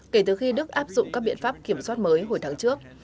kể từ khi đức áp dụng các biện pháp kiểm soát mới hồi tháng trước